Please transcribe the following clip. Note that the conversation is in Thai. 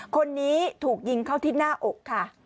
คนนี้ถูกยิงเข้าที่หน้าอกค่ะ